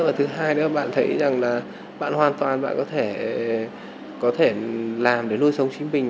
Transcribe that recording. và thứ hai nữa bạn thấy rằng là bạn hoàn toàn bạn có thể có thể làm để nuôi sống chính mình